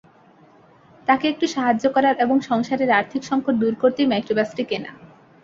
তাঁকে একটু সাহায্য করার এবং সংসারের আর্থিক সংকট দূর করতেই মাইক্রোবাসটি কেনা।